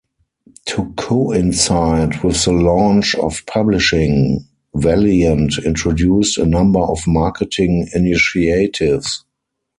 To coincide with the launch of publishing, Valiant introduced a number of marketing initiatives.